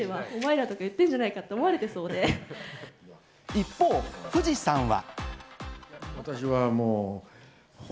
一方、藤さんは。